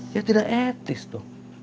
ya tidak etis tuh